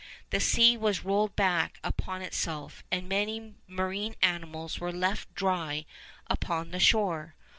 The sea was rolled back upon itself, and many marine animals were left dry upon the shore.